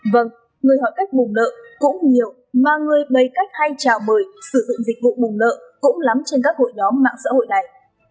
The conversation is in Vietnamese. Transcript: vâng người hỏi cách bùng nợ cũng nhiều mà người bày cách hay trào bời sử dụng dịch vụ bùng nợ cũng lắm trên các hội đóm mạng xã hội này